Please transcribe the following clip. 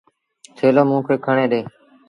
ٿيلو موݩ کي کڻي ڏي۔